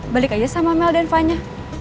balik aja sama mel dan fanya